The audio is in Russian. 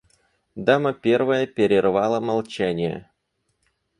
Дама первая перервала молчание.